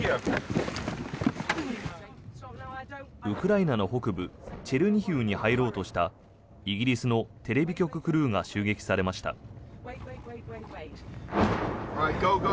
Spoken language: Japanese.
ウクライナの北部チェルニヒウに入ろうとしたイギリスのテレビ局クルーが襲撃されました。